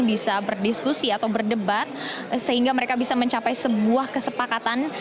bisa berdiskusi atau berdebat sehingga mereka bisa mencapai sebuah kesepakatan